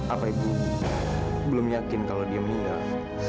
apa ibu belum yakin kalau dia meninggal